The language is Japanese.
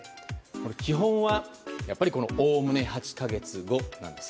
基本は、やっぱりおおむね８か月後なんです。